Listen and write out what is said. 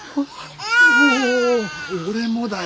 俺もだよ！